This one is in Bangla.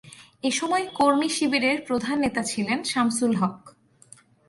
এসময় কর্মী শিবিরের প্রধান নেতা ছিলেন শামসুল হক।